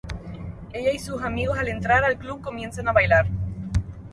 Ella y sus amigos al entrar al club comienzan a bailar.